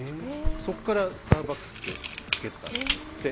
そこからスターバックスってつけたんですって。